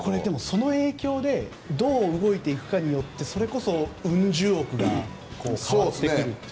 その影響でどう動いていくかでそれこそ、うん十億が変わってくるという。